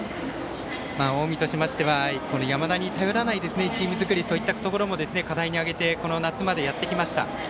近江としましては山田に頼らないチーム作りといったところも課題に挙げてこの夏までやってきました。